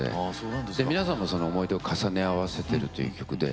皆さんも思い出を重ね合わせてるという曲で。